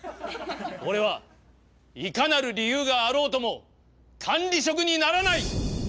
俺はいかなる理由があろうとも管理職にならない！